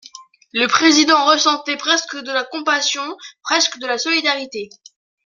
Le président ressentait presque de la compassion, presque de la solidarité.